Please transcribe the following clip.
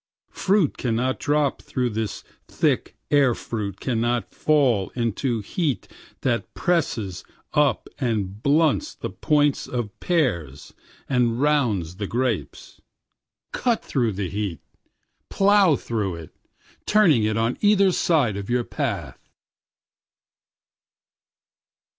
Fruit cannot drop through this thick air fruit cannot fall into heat that presses up and blunts the points of pears and rounds the grapes. Cut through the heat plow through it turning it on either side of your path.